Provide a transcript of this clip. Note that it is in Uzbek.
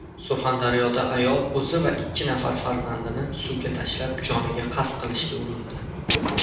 Surxondaryoda ayol o‘zi va ikki nafar farzandini suvga tashlab, joniga qasd qilishga urindi